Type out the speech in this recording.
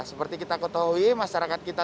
seperti kita ketahui masyarakat kita